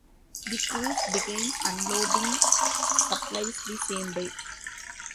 The crews began unloading supplies the same day.